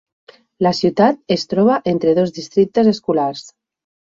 La ciutat es troba entre dos districtes escolars.